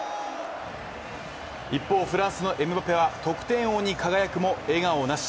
一方、フランスのエムバペは得点王に輝くも笑顔なし。